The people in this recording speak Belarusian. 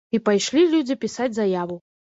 І пайшлі людзі пісаць заяву.